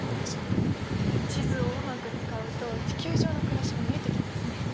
地図をうまく使うと地球上の暮らしが見えてきますね。